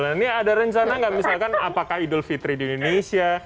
nah ini ada rencana nggak misalkan apakah idul fitri di indonesia